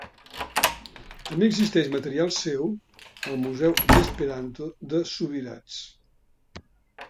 També existeix material seu al museu d'esperanto de Subirats.